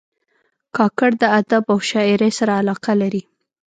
کاکړ د ادب او شاعرۍ سره علاقه لري.